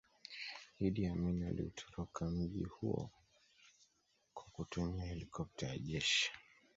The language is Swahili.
Idi Amin aliutoroka mji huo kwa kutumia helikopta ya jeshi